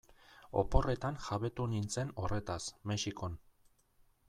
Oporretan jabetu nintzen horretaz, Mexikon.